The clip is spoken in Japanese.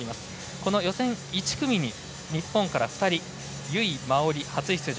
この予選１組に日本から２人由井真緒里、初出場。